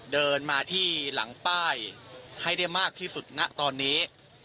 เดินมาที่หลังป้ายให้ได้มากที่สุดณตอนนี้